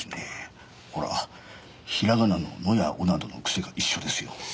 ほら平仮名の「の」や「を」などの癖が一緒ですよ。